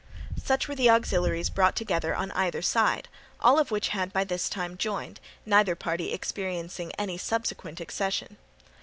Such were the auxiliaries brought together on either side, all of which had by this time joined, neither party experiencing any subsequent accession.